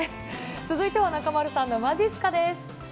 続いては中丸さんのまじっすかです。